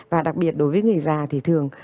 và đặc biệt đối với người già thì thường